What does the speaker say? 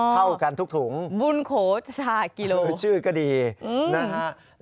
เข้ากันทุกถุงชื่อก็ดีนะฮะบุญโข๔กิโล